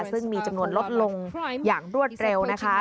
ซึ่งมีจำนวนลดลงอย่างรวดเร็วนะคะ